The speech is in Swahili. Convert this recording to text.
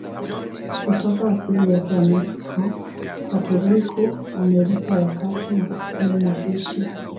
Kutoka asili yake ya Meksiko, Puerto Rico, Amerika ya Kati na kusini mwa Asia.